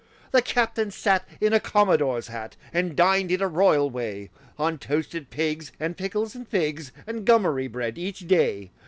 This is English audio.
The captain sat in a commodore's hat And dined, in a royal way, On toasted pigs and pickles and figs And gummery bread, each day.